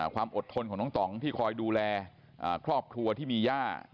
ความอดทนของน้องต่องที่คอยดูแลครอบครัวที่มีย่า